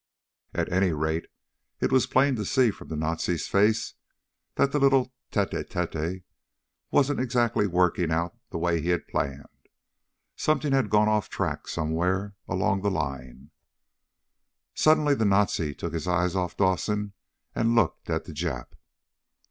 At any rate, it was plain to see from the Nazi's face that the little "tête à tête" wasn't exactly working out the way he had planned. Something had gone off the track somewhere along the line. Suddenly the Nazi took his eyes off Dawson and looked at the Jap.